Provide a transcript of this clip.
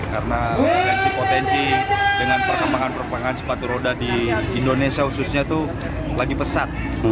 karena potensi potensi dengan perkembangan perkembangan sepatu roda di indonesia khususnya itu lagi pesat